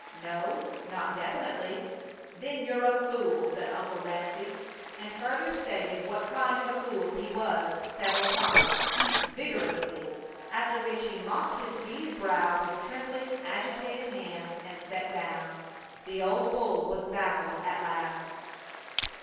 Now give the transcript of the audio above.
"No, not definitely." "Then you're a fool!" said Uncle Ramsey, and further stated what kind of a fool he was, several times, vigorously. After which he mopped his beaded brow with trembling, agitated hands, and sat down. The old bull was baffled at last.